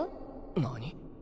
何？